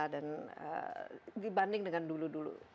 dan dibanding dengan dulu dulu